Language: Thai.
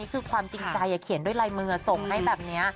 คือความจริงใจเขียนด้วยลายมือส่งให้แบบนี้